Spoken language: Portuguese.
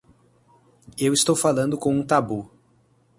Eu estou falando com um tabu.